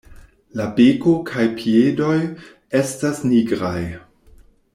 La beko kaj piedoj estas nigraj.